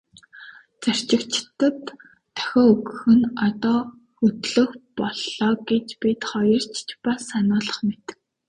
Зорчигчдод дохио өгөх нь одоо хөдлөх боллоо гэж бид хоёрт ч бас сануулах мэт.